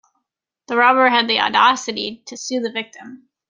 The robber had the audacity to sue the victim.